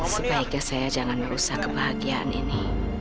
sebaiknya saya jangan merusak kebahagiaan ini